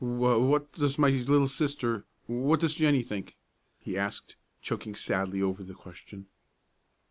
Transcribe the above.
"What what does my little sister what does Jennie think?" he asked, choking sadly over the question.